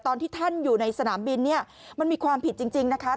ตอนที่ท่านอยู่ในสนามบินเนี่ยมันมีความผิดจริงนะคะ